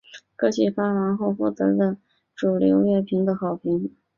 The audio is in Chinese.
歌曲发行后获得了主流乐评的好评。